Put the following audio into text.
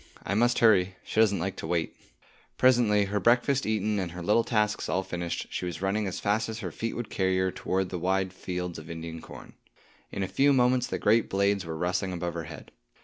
I must hurry; she doesn't like to wait." Presently, her breakfast eaten and her little tasks all finished, she was running as fast as her feet would carry her toward the wide fields of Indian corn. In a few moments the great blades were rustling above her head.